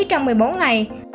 trong một mươi bốn ngày